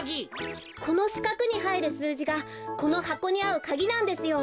このしかくにはいるすうじがこのはこにあうかぎなんですよ。